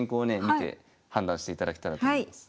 見て判断していただけたらと思います。